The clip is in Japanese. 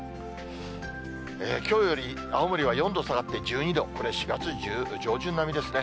きょうより青森は４度下がって１２度、これ４月上旬並みですね。